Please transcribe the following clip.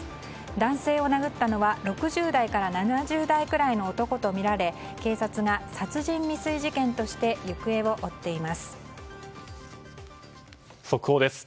男性を殴ったのは６０代から７０代くらいの男とみられ警察が殺人未遂事件として速報です。